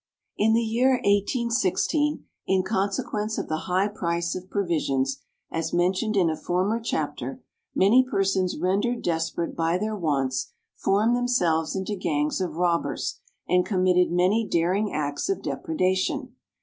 In the year 1816, in consequence of the high price of provisions, as mentioned in a former chapter, many persons rendered desperate by their wants, formed themselves into gangs of robbers, and committed many daring acts of depredation.